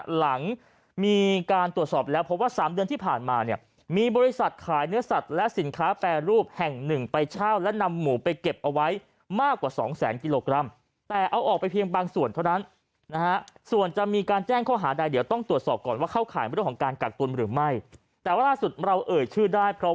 หลังมีการตรวจสอบแล้วพบว่าสามเดือนที่ผ่านมาเนี่ยมีบริษัทขายเนื้อสัตว์และสินค้าแปรรูปแห่งหนึ่งไปเช่าและนำหมูไปเก็บเอาไว้มากกว่าสองแสนกิโลกรัมแต่เอาออกไปเพียงบางส่วนเท่านั้นนะฮะส่วนจะมีการแจ้งข้อหาใดเดี๋ยวต้องตรวจสอบก่อนว่าเข้าข่ายเรื่องของการกักตุลหรือไม่แต่ว่าล่าสุดเราเอ่ยชื่อได้เพราะ